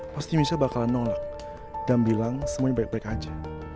pasti misa bakalan nolak dan bilang semuanya baik baik aja